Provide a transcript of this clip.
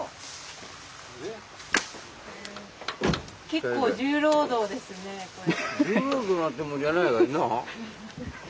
結構重労働ですねこれ。